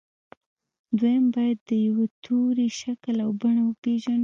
دويم بايد د يوه توري شکل او بڼه وپېژنو.